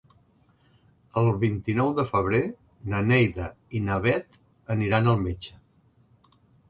El vint-i-nou de febrer na Neida i na Bet aniran al metge.